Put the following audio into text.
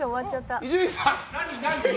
伊集院さん？